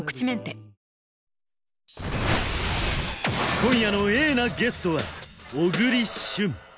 今夜のＡなゲストは小栗旬